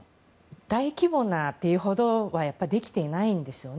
大規模なというほどはできていないんですね。